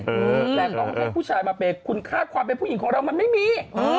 แต่ต้องให้ผู้ชายมาเปย์คุณค่าความเป็นผู้หญิงของเรามันไม่มี